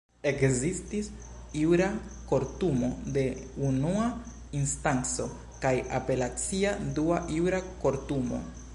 Ekzistis jura kortumo de unua instanco, kaj apelacia dua jura kortumo.